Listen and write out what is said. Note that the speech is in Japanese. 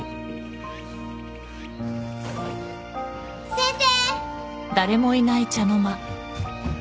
先生！